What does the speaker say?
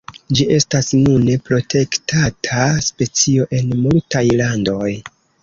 Ĝi estas nune protektata specio en multaj landoj.